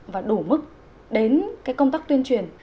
và đủ mức đến cái công tác tuyên truyền